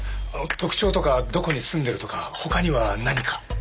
特徴とかどこに住んでるとかほかには何か？